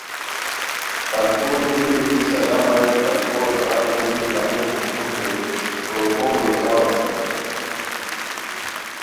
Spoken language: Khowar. خلفو دُوری اوتی سلام اریر خلفو اݱغال غیژ ی دانگو کھوشون درے سور پونگ لوساؤ استائے